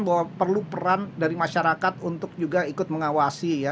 bahwa perlu peran dari masyarakat untuk juga ikut mengawasi ya